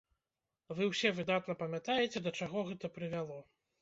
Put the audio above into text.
Вы ўсе выдатна памятаеце, да чаго гэта прывяло.